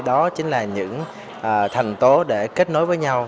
đó chính là những thành tố để kết nối với nhau